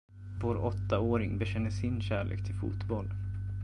Vår åttaåring bekänner sin kärlek till fotboll.